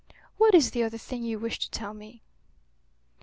"What is the other thing you wish to tell me?"